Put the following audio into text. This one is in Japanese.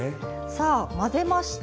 さあ混ぜました。